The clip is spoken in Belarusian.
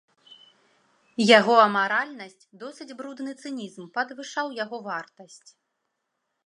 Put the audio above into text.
Яго амаральнасць, досыць брудны цынізм падвышаў яго вартасць.